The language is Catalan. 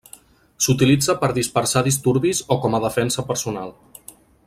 S'utilitza per dispersar disturbis o com a defensa personal.